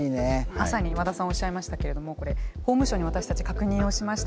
まさに和田さんおっしゃいましたけれどもこれ法務省に私たち確認をしました